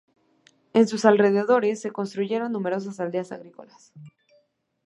En sus alrededores se construyeron numerosas aldeas agrícolas.